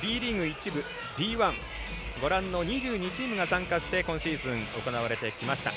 一部、Ｂ１ご覧の２２チームが参加して今シーズン行われてきました。